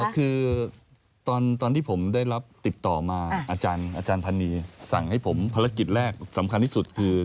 คือตอนที่ผมได้รับติดต่อมาอาจารย์พันนีสั่งให้ผมภารกิจแรกสำคัญที่สุดคือ